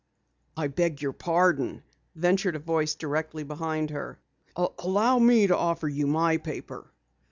"I beg your pardon," ventured a voice directly behind her. "Allow me to offer you my paper."